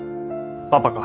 パパか。